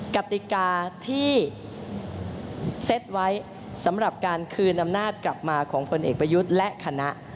กติกาที่เซ็ตไว้สำหรับการคืนอำนาจกลับมาของพลเอกประยุทธ์และคณะ